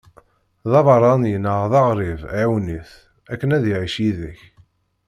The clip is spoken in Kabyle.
D abeṛṛani neɣ d aɣrib ɛiwen-it, akken ad iɛic yid-k.